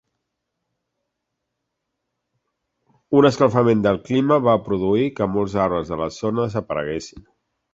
Un escalfament del clima va produir que molts arbres de la zona desapareguessin.